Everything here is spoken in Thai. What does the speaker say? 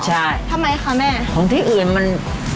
ใช่ทำไมคะแม่ของที่อื่นมัน